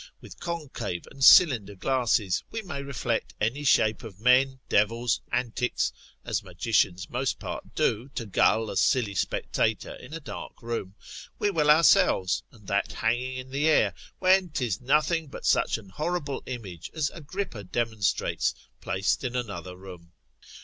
with concave and cylinder glasses, we may reflect any shape of men, devils, antics, (as magicians most part do, to gull a silly spectator in a dark room), we will ourselves, and that hanging in the air, when 'tis nothing but such an horrible image as Agrippa demonstrates, placed in another room.